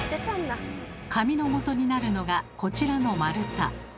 紙のもとになるのがこちらの丸太。